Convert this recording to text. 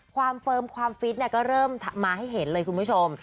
เฟิร์มความฟิตก็เริ่มมาให้เห็นเลยคุณผู้ชม